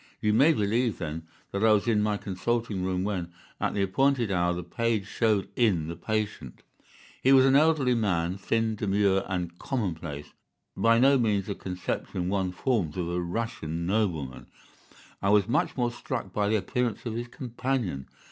You may believe, then, that I was in my consulting room when, at the appointed hour, the page showed in the patient. "He was an elderly man, thin, demure, and commonplace—by no means the conception one forms of a Russian nobleman. I was much more struck by the appearance of his companion.